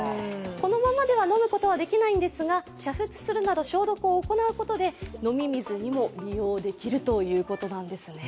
このままでは飲むことはできないんですが煮沸するなど消毒を行うことで飲み水にも利用できるということなんですね。